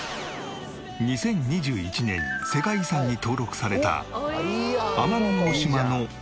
２０２１年に世界遺産に登録された奄美大島のこの辺り。